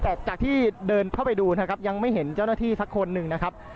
แต่จากที่เดินเข้าไปดูนะครับยังไม่เห็นเจ้าหน้าที่สักคนหนึ่งนะครับ